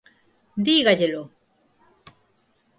¡Dígallelo!